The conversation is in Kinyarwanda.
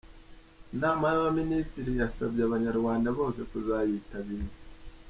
Inama y’Abaminisitiri yasabye Abanyarwanda bose kuzayitabira.